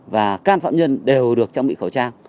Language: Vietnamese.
và can phạm nhân đều được trang bị khẩu trang